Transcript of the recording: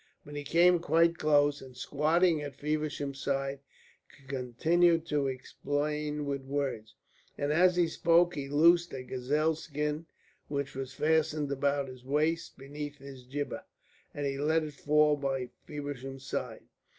But he came quite close, and squatting at Feversham's side continued to explain with words. And as he spoke he loosed a gazelle skin which was fastened about his waist beneath his jibbeh, and he let it fall by Feversham's side.